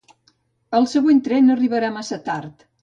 El següent tren arribarà massa tard